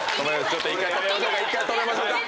ちょっと１回止めましょうか。